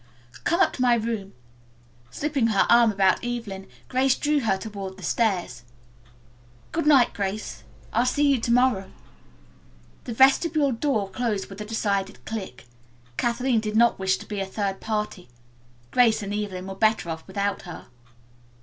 "Come up to my room." Slipping her arm about Evelyn, Grace drew her toward the stairs. "Good night, Grace, I'll see you to morrow." The vestibule door closed with a decided click. Kathleen did not wish to be a third party. Grace and Evelyn were better off without her.